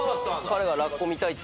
彼がラッコ見たいっていうんで。